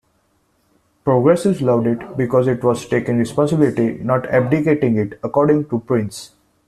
"Progressives loved it because it was taking responsibility, not abdicating it," according to Prince.